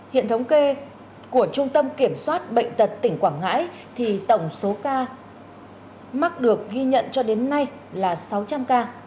hiện thống kê của trung tâm kiểm soát bệnh tật tỉnh quảng ngãi thì tổng số ca mắc được ghi nhận cho đến nay là sáu trăm linh ca